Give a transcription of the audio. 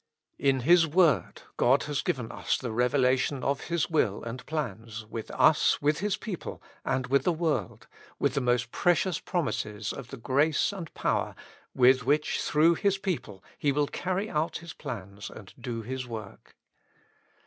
In His word, God has given us the revelation of His will and plans with us, with His people, and with the world, with the most precious promises of the grace and power with which through His people He will carry out His plans and do His work.